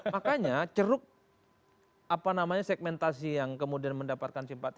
makanya ceruk apa namanya segmentasi yang kemudian mendapatkan simpati